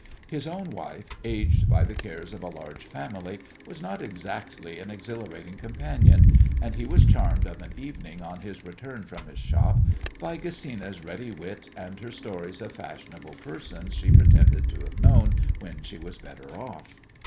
His own wife, aged by the cares of a large family, was not exactly an exhilarating companion, and he was charmed of an evening on his return from his shop by Gesina's ready wit and her stories of fashionable persons she pretended to have known when she was better off.